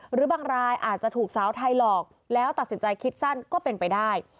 หรือบางรายอาจจะถูกสาวไทยหลอกแล้วตัดสินใจคิดสั้นก็เป็นไปได้